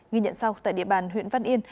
ghi nhận sau tại địa bàn huyện văn yên